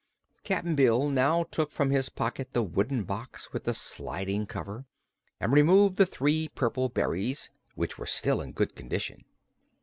Cap'n Bill now took from his pocket the wooden box with the sliding cover and removed the three purple berries, which were still in good condition.